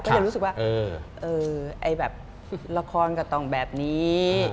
จะรู้สึกว่าแบบละครก็ต้องแบบนี้